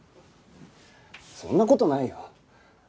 そんな事ないよ。